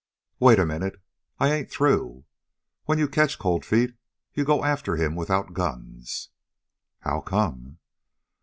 "Wait a minute. I ain't through. When you catch Cold Feet you go after him without guns." "How come?"